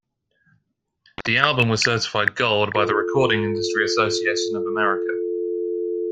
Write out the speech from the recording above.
The album was certified gold by the Recording Industry Association of America.